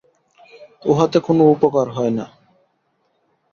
উহাতে কোন উপকার হয় না।